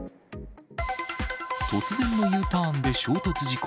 突然のＵターンで衝突事故。